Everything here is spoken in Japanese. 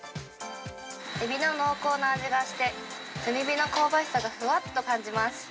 エビの濃厚な味がして、炭火の香ばしさがふわっと感じます。